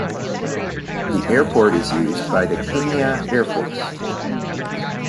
The airport is used by the Kenya Air Force.